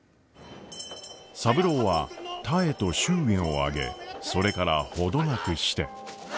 三郎は多江と祝言を挙げそれからほどなくして。